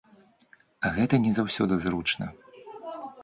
А гэта не заўсёды зручна.